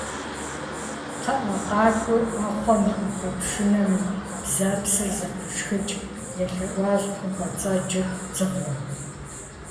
- КхъыӀэ, къакӀуи, Ӏэхъуэм и Ӏэпэпшынэм и бзэпсыр зэпышхыкӀ, - елъэӀуащ хъумпӀэцӀэджыр дзыгъуэм.